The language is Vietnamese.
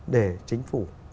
để chính phủ